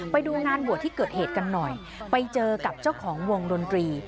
ไปดูงานบวชที่เกิดเหตุกันหน่อยไปเจอกับเจ้าของวงดนตรี